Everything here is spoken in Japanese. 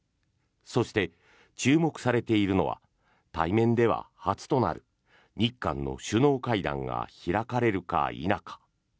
そして、注目されているのは対面では初となる日韓の首脳会談が開かれるか否か。